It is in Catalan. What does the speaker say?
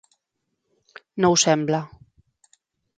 No ho sembla.